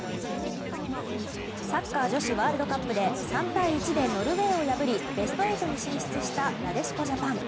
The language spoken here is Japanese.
サッカー女子ワールドカップで３対１でノルウェーを破りベスト８に進出した、なでしこジャパン。